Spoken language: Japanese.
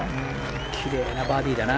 きれいなバーディーだな。